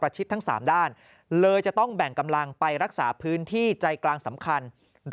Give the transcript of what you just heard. ชิดทั้ง๓ด้านเลยจะต้องแบ่งกำลังไปรักษาพื้นที่ใจกลางสำคัญ